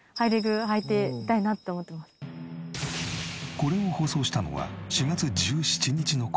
これを放送したのは４月１７日の事。